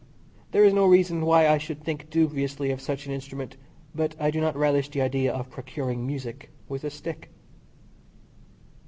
There is no reason why I should think dubiously of such an instrument, but I do not relish the idea of procuring music with a stick.